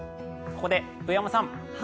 ここで上山さん